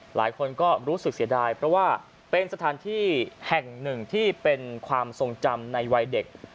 หลายคนก็รู้สึกเสียดายเพราะว่าเป็นสถานที่แห่งหนึ่งที่เป็นความทรงจำในวัยเด็ก